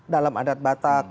dalam adat batak